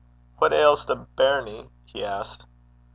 'What ails the bairnie?' he asked.